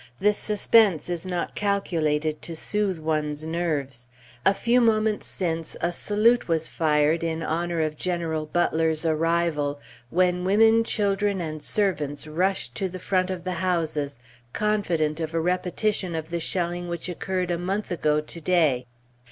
This suspense is not calculated to soothe one's nerves. A few moments since, a salute was fired in honor of General Butler's arrival, when women, children, and servants rushed to the front of the houses, confident of a repetition of the shelling which occurred a month ago to day.